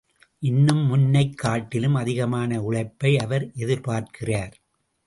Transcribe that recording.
இன்னும், முன்னைக் காட்டிலும் அதிகமான உழைப்பை அவர் எதிர்பார்க்கிறார்.